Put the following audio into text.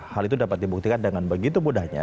hal itu dapat dibuktikan dengan begitu mudahnya